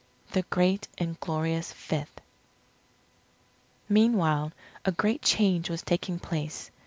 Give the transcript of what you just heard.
THE GREAT AND GLORIOUS FIFTH Meanwhile, a great change was taking place.